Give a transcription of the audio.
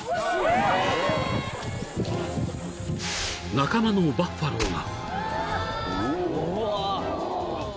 ［仲間のバファローが］